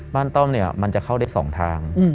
บ้านต้อมมันจะเข้าได้๒ทาง